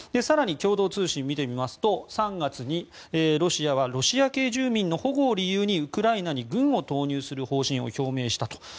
更に共同通信を見てみますと３月にロシアはロシア系住民の保護を理由にウクライナに軍を投入する方針を表明したと。